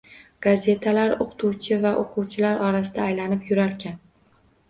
Gazetalar oʻqituvchi va oʻquvchilar orasida aylanib yurarkan.